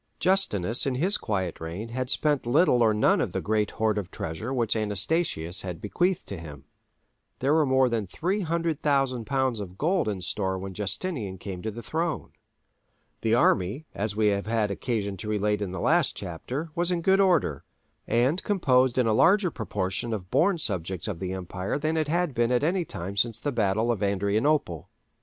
Justinus in his quiet reign had spent little or none of the great hoard of treasure which Anastasius had bequeathed to him. There were more than 300,000 lbs. of gold [£13,400,000] in store when Justinian came to the throne. The army, as we have had occasion to relate in the last chapter, was in good order, and composed in a larger proportion of born subjects of the empire than it had been at any time since the battle of Adrianople.